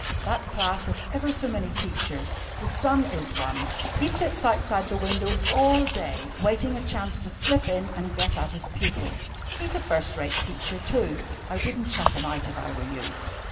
That class has ever so many teachers. The Sun is one. He sits outside the window all day waiting a chance to slip in and get at his pupil. He's a first rate teacher, too. I wouldn't shut him out, if I were you.